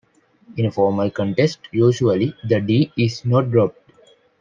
In a formal context, usually the "d" is not dropped.